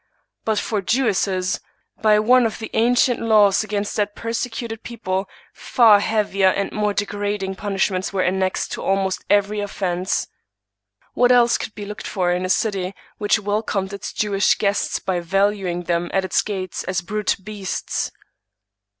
But for Jewesses, by one of the ancient laws against that persecuted people, far heavier and more degrading punishments were annexed to almost every offense. What else could be looked for in a city which wel comed its Jewish guests by valuing them at its gates as brute beasts?